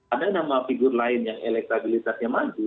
ada nama figur lain yang elektabilitasnya maju